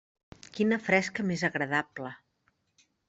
Quina fresca més agradable.